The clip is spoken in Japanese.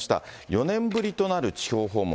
４年ぶりとなる地方訪問。